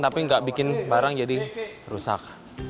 tapi nggak bikin barang jadi rusak